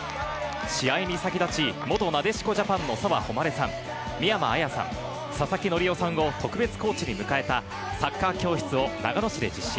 試合に先立ち、元なでしこジャパンの澤穂希さん、宮間あやさん、佐々木則夫さんを特別コーチに迎えたサッカー教室を長野市で実施。